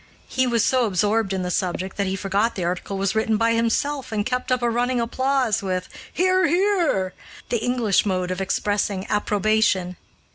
He was so absorbed in the subject that he forgot the article was written by himself, and kept up a running applause with "hear!" "hear!" the English mode of expressing approbation.